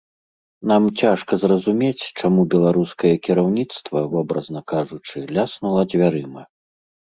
Нам цяжка зразумець, чаму беларускае кіраўніцтва, вобразна кажучы, ляснула дзвярыма.